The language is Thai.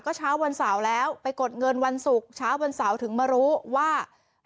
ก็เช้าวันเสาร์แล้วไปกดเงินวันศุกร์เช้าวันเสาร์ถึงมารู้ว่า